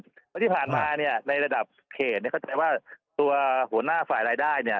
เพราะที่ผ่านมาเนี่ยในระดับเขตเนี่ยเข้าใจว่าตัวหัวหน้าฝ่ายรายได้เนี่ย